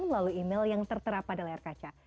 melalui email yang tertera pada layar kaca